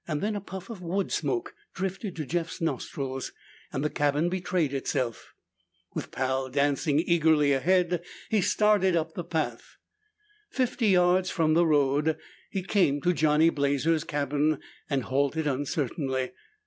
Then a puff of wood smoke drifted to Jeff's nostrils and the cabin betrayed itself. With Pal dancing eagerly ahead, he started up the path. Fifty yards from the road, he came to Johnny Blazer's cabin and halted uncertainly.